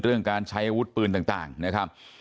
การใช้อาวุธปืนต่างนะครับ